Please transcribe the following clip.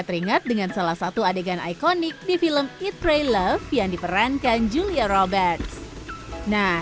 teringat dengan salah satu adegan ikonik di film eat pre love yang diperankan julia roberts nah